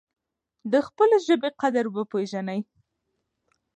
د خپلې ژبې قدر وپیژنئ.